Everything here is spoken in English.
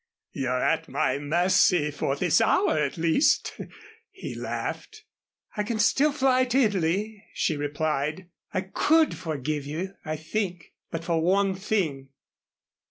"You're at my mercy for this hour at least," he laughed. "I can still fly to Italy," she replied. "I could forgive you, I think, but for one thing."